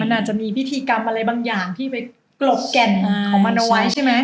มันอาจจะมีพิธีกรรมอะไรบางอย่างที่ไปกลบแก่นของมันเอาไว้ใช่ไหม